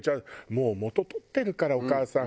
もう元を取ってるからお母さん。